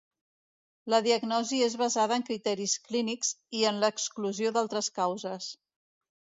La diagnosi és basada en criteris clínics i en l'exclusió d'altres causes.